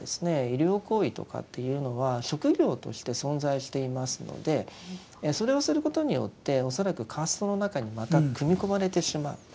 医療行為とかっていうのは職業として存在していますのでそれをすることによって恐らくカーストの中にまた組み込まれてしまう。